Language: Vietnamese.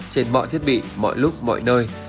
trên mọi thiết bị mọi lúc mọi nơi